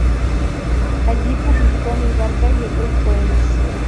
Allí publicó "Mi barca y otros poemas".